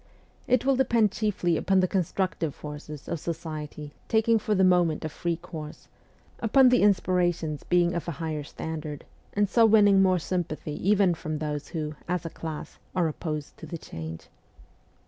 It will depend chiefly upon the constructive forces of society taking for the moment a free course ; upon the inspirations being of a higher standard, and so winning more sympathy even FIRST JOURNEY ABROAD 79 from those who, as a class, are opposed to the change.